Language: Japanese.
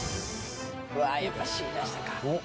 うわーやっぱＣ出したか。